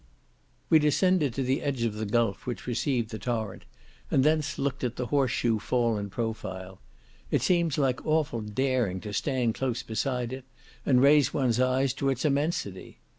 We descended to the edge of the gulf which received the torrent, and thence looked at the horse shoe fall in profile; it seems like awful daring to stand close beside it, and raise one's eyes to its immensity.